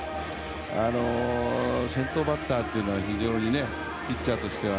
先頭バッターっていうのはピッチャーとしては